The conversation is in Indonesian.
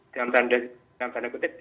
dalam tanda kutip